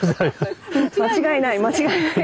間違いない間違いない。